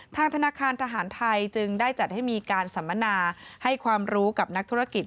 ทางธนาคารทหารไทยจึงได้จัดให้มีการสัมมนาให้ความรู้กับนักธุรกิจ